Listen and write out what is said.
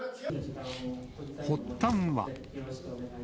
発端は。